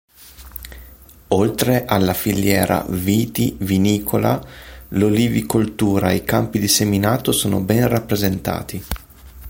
Oltre alla filiera vitivinicola, l'olivicultura e i campi di seminato sono ben rappresentati.